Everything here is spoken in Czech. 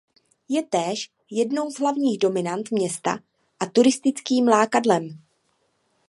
Je též jednou z hlavních dominant města a turistickým lákadlem.